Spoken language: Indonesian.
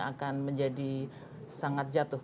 akan menjadi sangat jatuh